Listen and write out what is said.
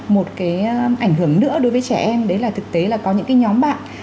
một cái ảnh hưởng nữa đối với trẻ em đấy là thực tế là có những cái nhóm bạn